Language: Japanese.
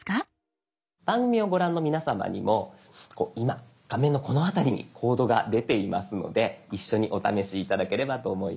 番組をご覧の皆さまにも今画面のこの辺りにコードが出ていますので一緒にお試し頂ければと思います。